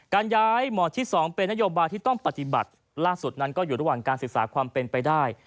การย้ายหมอดที่๒เป็นนโยบายที่ต้องปฏิบัติล่าสุดนั้นก็อยู่ระหว่างการศึกษาความเป็นไปได้